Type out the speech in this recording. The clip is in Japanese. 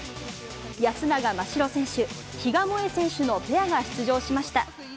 安永真白選手・比嘉もえ選手のペアが出場しました。